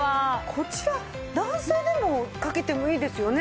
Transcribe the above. こちら男性でもかけてもいいですよね。